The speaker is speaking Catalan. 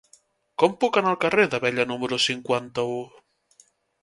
Com puc anar al carrer d'Abella número cinquanta-u?